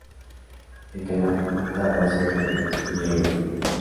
El canal acaba cerca de Villarrubia.